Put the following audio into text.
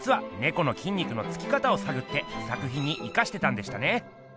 このきんにくのつきかたをさぐって作品に生かしてたんでしたね。